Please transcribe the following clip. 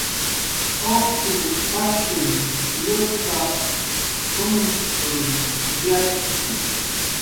"Uctupr pajshin llutap"" juncx'ruy yatxki."